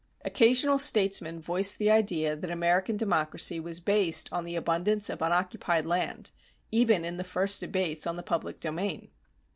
Occasional statesmen voiced the idea that American democracy was based on the abundance of unoccupied land, even in the first debates on the public domain.